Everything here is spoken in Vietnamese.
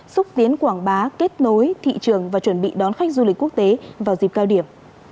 xúc tiến quảng bá kết nối thị trường và chuẩn bị đón khách du lịch quốc tế vào dịp cao điểm